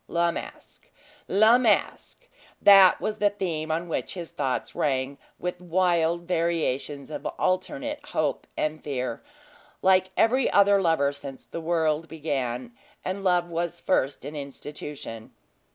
La Masque! La Masque! that was the theme on which his thoughts rang, with wild variations of alternate hope and fear, like every other lover since the world began, and love was first an institution.